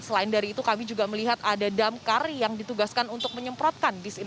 selain dari itu kami juga melihat ada damkar yang ditugaskan untuk menyemprotkan disin